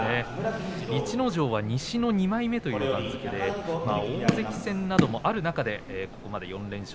逸ノ城は西の２枚目という番付で大関戦などもある中でここまで４連勝。